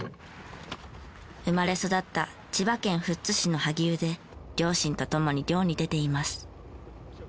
生まれ育った千葉県富津市の萩生で両親と共に漁に出ています。